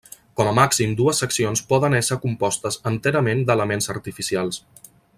Com a màxim dues seccions poden ésser compostes enterament d'elements artificials.